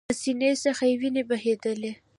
له سینې څخه یې ویني بهېدلې